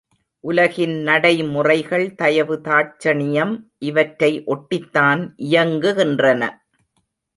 உலகின் நடைமுறைகள் தயவு தாட்சணியம் இவற்றை ஒட்டித்தான் இயங்குகின்றன.